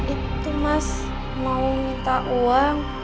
itu mas mau minta uang